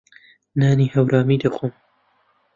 نانی هەورامی دەخۆم.